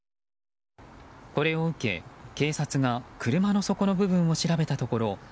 これを受け、警察が車の底の部分を調べたところ